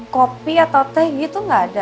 kopi atau teh gitu nggak ada